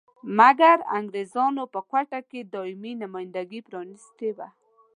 مګر انګریزانو په کوټه کې دایمي نمایندګي پرانیستلې وه.